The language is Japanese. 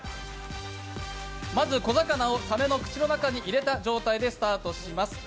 まず小魚をサメの口の中に入れた状態でスタートします。